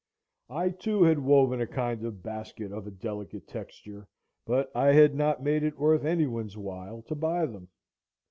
I too had woven a kind of basket of a delicate texture, but I had not made it worth any one's while to buy them.